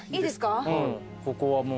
ここはもう。